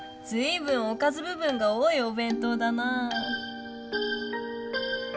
ずいぶん「おかずぶ分」が多いおべん当だなぁ。